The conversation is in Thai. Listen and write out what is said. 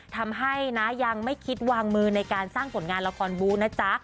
ทำให้นะยังไม่คิดวางมือในการสร้างผลงานละครบูธนะจ๊ะ